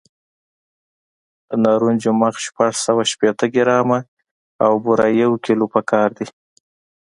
د نارنجو مغز شپږ سوه شپېته ګرامه او بوره یو کیلو پکار دي.